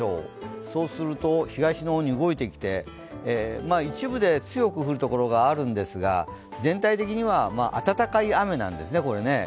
東の方に動いてきて、一部で強く降るところがあるんですが、全体的には暖かい雨なんですね。